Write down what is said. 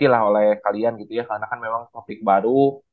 lah oleh kalian gitu ya karena kan memang topik baru